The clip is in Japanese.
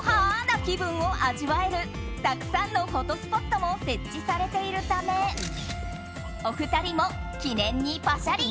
な気分を味わえるたくさんのフォトスポットも設置されているためお二人も、記念にパシャリ。